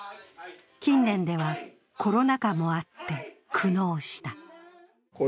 近年ではコロナ禍もあって、苦悩した。